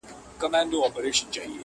چي د بخت ستوری مو کله و ځلېږې-